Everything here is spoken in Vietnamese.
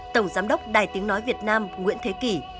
tổng giám đốc đài tiếng nói việt nam nguyễn thế kỷ